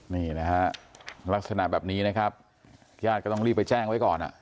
นี่นะฮะลักษณะแบบนี้นะครับญาติก็ต้องรีบไปแจ้งไว้ก่อน